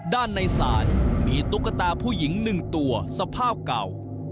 ด้านในศาลมีตุ๊กตาผู้หญิง๑ตัวสภาพเก่า